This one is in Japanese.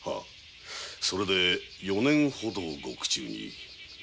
それで４年ほど獄中に。